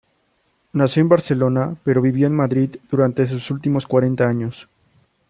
Nació en Barcelona, pero vivió en Madrid durante sus últimos cuarenta años.